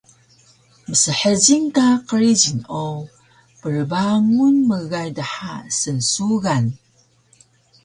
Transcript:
Mshjil ka qrijil o prbangun mgay dha snsugan